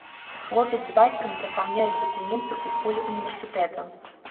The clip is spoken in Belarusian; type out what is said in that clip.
Хлопец з бацькам запаўняюць дакументы ў холе ўніверсітэта.